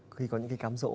khi có những cái cám rỗ